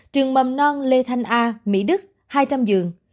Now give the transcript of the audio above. trường mầm non lê thanh a mỹ đức hai trăm linh giường